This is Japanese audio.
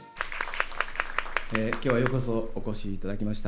今日はようこそお越しいただきました。